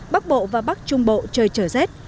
bắc bộ và bắc trung bộ trời trở rét